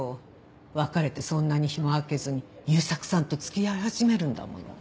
別れてそんなに日も空けずに悠作さんと付き合い始めるんだもの。